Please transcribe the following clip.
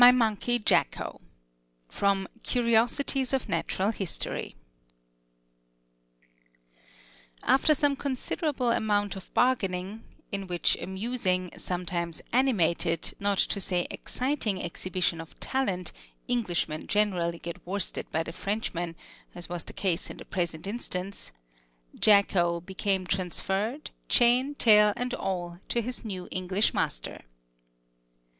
MY MONKEY JACKO From 'Curiosities of Natural History' After some considerable amount of bargaining (in which amusing, sometimes animated, not to say exciting exhibition of talent, Englishmen generally get worsted by the Frenchmen, as was the case in the present instance), Jacko became transferred, chain, tail and all, to his new English master.